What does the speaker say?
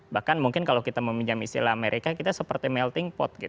bahkan mungkin kalau kita meminjam istilah amerika kita seperti melting pot